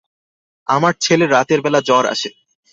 আমার ছেলের রাতের বেলা জ্বর আসে।